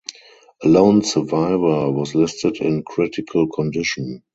A lone survivor was listed in critical condition.